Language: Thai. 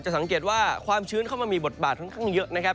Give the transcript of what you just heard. สังเกตว่าความชื้นเข้ามามีบทบาทค่อนข้างเยอะนะครับ